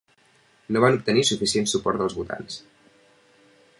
No van obtenir suficient suport dels votants.